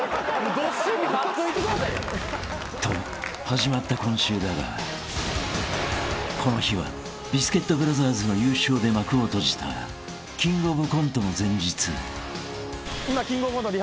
始まった今週だがこの日はビスケットブラザーズの優勝で幕を閉じたキングオブコントの前日］